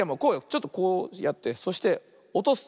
ちょっとこうやってそしておとす。